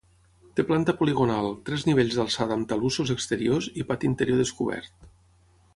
Té planta poligonal, tres nivells d'alçada amb talussos exteriors i pati interior descobert.